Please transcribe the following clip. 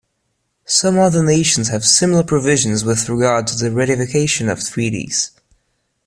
Some other nations have similar provisions with regard to the ratification of treaties.